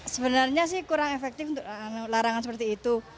sebenarnya sih kurang efektif untuk larangan seperti itu